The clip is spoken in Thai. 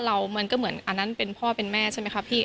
มันก็เหมือนอันนั้นเป็นพ่อเป็นแม่ใช่ไหมคะพี่